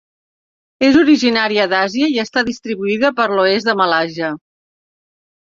És originària d'Àsia i està distribuïda per l'oest de Malàisia.